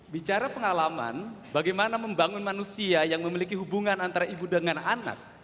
bicara pengalaman bagaimana membangun manusia yang memiliki hubungan antara ibu dengan anak